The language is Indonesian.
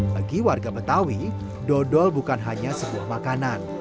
bagi warga betawi dodol bukan hanya sebuah makanan